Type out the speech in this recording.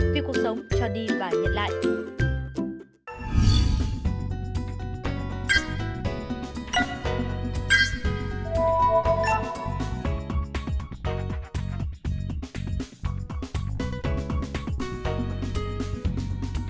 vì cuộc sống cho đi và nhận lại